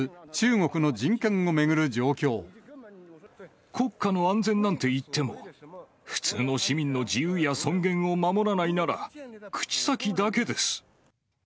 国家の安全なんて言っても、普通の市民の自由や尊厳を守らないなら、口先だけです。